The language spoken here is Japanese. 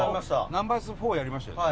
ナンバーズ４をやりましたよね。